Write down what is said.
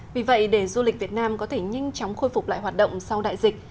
vì vậy để du lịch việt nam có thể nhanh chóng khôi phục lại hoạt động sau đại dịch